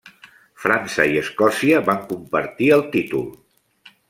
França i Escòcia van compartir el títol.